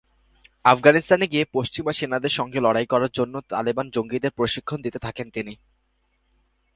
আফগানিস্তানে গিয়ে পশ্চিমা সেনাদের সঙ্গে লড়াই করার জন্য তালেবান জঙ্গিদের প্রশিক্ষণ দিতে থাকেন তিনি।